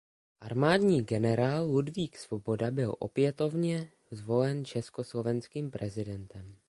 Armádní generál Ludvík Svoboda byl opětovně zvolen československým prezidentem.